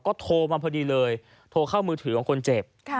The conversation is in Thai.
ก็โทรมาพอดีเลยโทรเข้ามือถือของคนเจ็บ